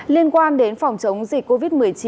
liên quan đến phòng chống dịch covid một mươi chín